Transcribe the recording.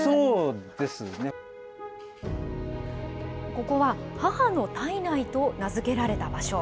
ここは母の胎内と名付けられた場所。